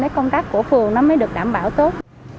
công tác của phường nó mới được đảm bảo tốt